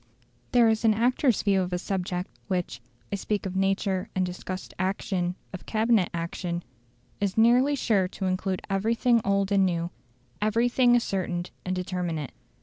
There is an actor's view of a subject, which (I speak of mature and discussed action of Cabinet action) is nearly sure to include everything old and new everything ascertained and determinate.